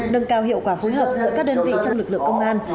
nâng cao hiệu quả phối hợp giữa các đơn vị trong lực lượng công an